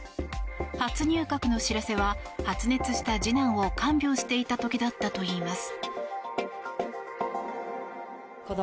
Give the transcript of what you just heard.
初入閣の知らせは発熱した次男を看病していた時だったといいます。